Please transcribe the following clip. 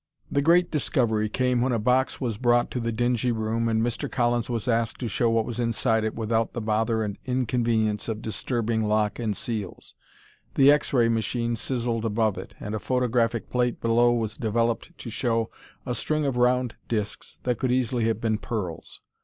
The great discovery came when a box was brought to the dingy room and Mr. Collins was asked to show what was inside it without the bother and inconvenience of disturbing lock and seals. The X Ray machine sizzled above it, and a photographic plate below was developed to show a string of round discs that could easily have been pearls.